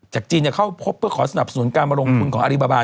จีนเข้าพบเพื่อขอสนับสนุนการมาลงทุนของอริบาบา